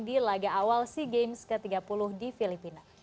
di laga awal sea games ke tiga puluh di filipina